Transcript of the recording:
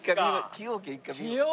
崎陽軒一回見よう。